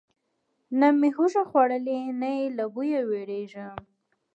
نه مې هوږه خوړلې، نه یې له بویه ویریږم.